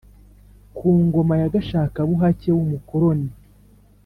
ku ngoma ya gashakabuhake w’umukoroni.